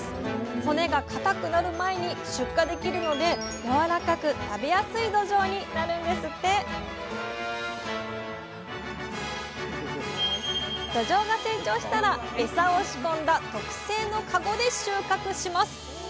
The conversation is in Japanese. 骨がかたくなる前に出荷できるのでやわらかく食べやすいどじょうになるんですってどじょうが成長したらエサを仕込んだ特製のカゴで収穫します。